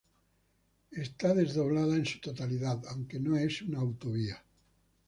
Está desdoblada en su totalidad, aunque no es una autovía.